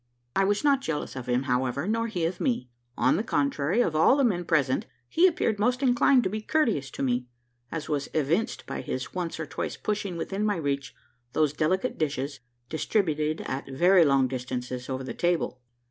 I was not jealous of him, however, nor he of me. On the contrary, of all the men present, he appeared most inclined to be courteous to me as was evinced by his once or twice pushing within my reach those delicate dishes, distributed at very long distances over the table.